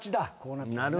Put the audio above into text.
なるほど。